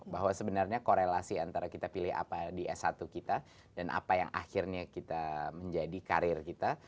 bahwa sebenarnya korelasi antara kita pilih apa di s satu kita dan apa yang akhirnya kita menjadi karir kita